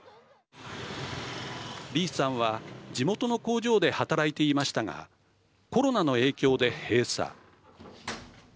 李さんは地元の工場で働いていましたがコロナの影響で閉鎖。